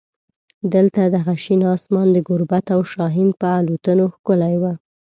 دلته دغه شین اسمان د ګوربت او شاهین په الوتنو ښکلی و.